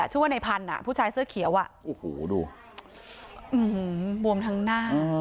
เชื่อว่าในพร่านผู้ชายเสื้อเขียวโอ้โหดูอืมบวมทางน้า